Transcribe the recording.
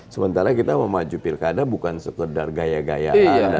sementara kita mau maju pilkada bukan sekedar gaya gayaan